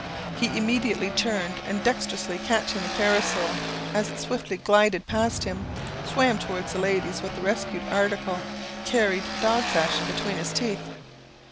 He immediately turned, and dexterously catching the parasol as it swiftly glided past him, swam towards the ladies with the rescued article, carried dog fashion, between his teeth.